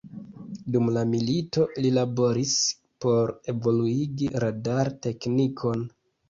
Dum la milito, li laboris por evoluigi radar-teknikon.